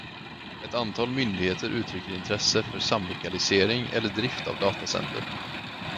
Ett antal myndigheter uttrycker intresse för samlokalisering eller drift av datacenter.